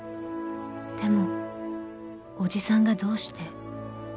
［でも伯父さんがどうして］